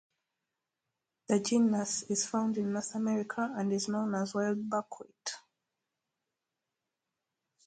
The genus is found in North America and is known as wild buckwheat.